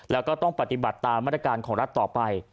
แล้วก็ต้องปฏิบัติตามมาตรการของรัฐต่อไป